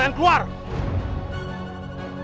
bisa untuk dik bmw